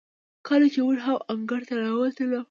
کله چې موږ هم انګړ ته راووتلو،